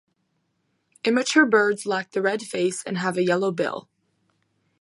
Immature birds lack the red face and have a yellow bill.